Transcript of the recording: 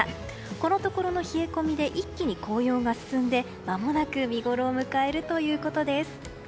このところの冷え込みで一気に紅葉が進んでまもなく見ごろを迎えるということです。